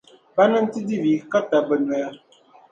ba ni ti di vi, ka tabi bɛ noya.